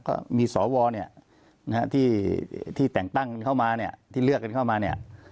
ก็มีสอวรที่แต่งตั้งเข้ามาที่เลือกเข้ามา